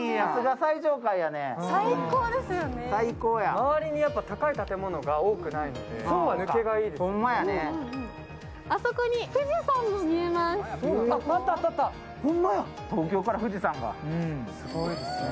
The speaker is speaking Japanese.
周りに高い建物が多くないから抜けがいいですね。